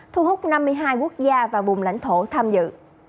thu hút năm mươi hai quốc gia và vùng lãnh thổ tham dự